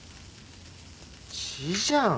血じゃん。